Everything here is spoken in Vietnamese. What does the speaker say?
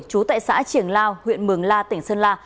trú tại xã triển lao huyện mường la tỉnh sơn la